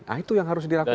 nah itu yang harus dilakukan